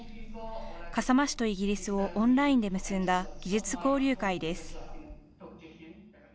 笠間市とイギリスをオンラインで結んだ技術交流会です。